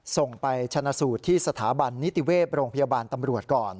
ส่งไปชนะสูตรที่สถาบันนิติเวศโรงพยาบาลตำรวจก่อน